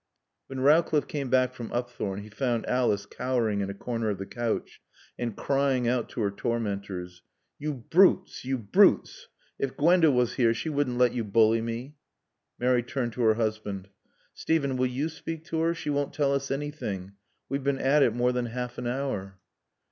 When Rowcliffe came back from Upthorne he found Alice cowering in a corner of the couch and crying out to her tormentors. "You brutes you brutes if Gwenda was here she wouldn't let you bully me!" Mary turned to her husband. "Steven will you speak to her? She won't tell us anything. We've been at it more than half an hour."